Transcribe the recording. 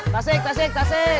tasik tasik tasik